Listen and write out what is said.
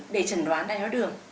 để trần đoán đáy áo đường